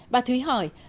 bà thúy hỏi